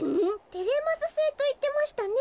「テレマスセイ」といってましたね。